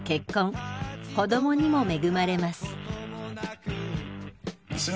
子供にも恵まれます。